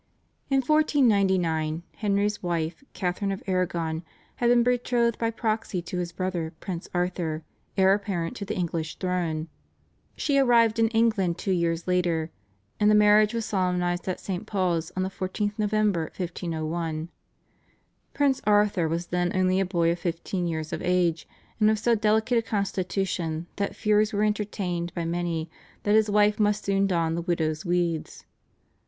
In 1499 Henry's wife, Catharine of Aragon, had been betrothed by proxy to his brother Prince Arthur, heir apparent to the English throne. She arrived in England two years later, and the marriage was solemnised at St. Paul's on the 14th November, 1501. Prince Arthur was then only a boy of fifteen years of age, and of so delicate a constitution that fears were entertained by many that his wife must soon don the widow's weeds.